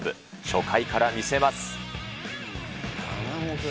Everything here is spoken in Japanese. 初回から見せます。